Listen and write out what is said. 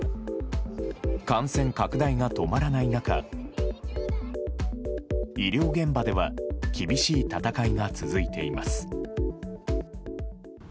感染拡大が止まらない中、医療現場では、厳しい闘いが続いています。